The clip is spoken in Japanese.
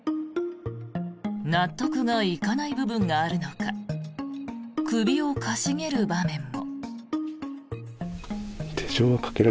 納得がいかない部分があるのか首を傾げる場面も。